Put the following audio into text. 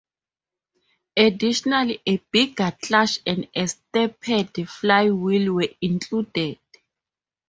Additionally a bigger clutch and a stepped flywheel were included.